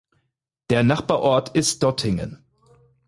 Der Nachbarort ist Dottingen.